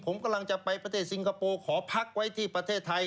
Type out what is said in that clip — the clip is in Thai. ผมกำลังจะไปประเทศสิงคโปร์ขอพักไว้ที่ประเทศไทย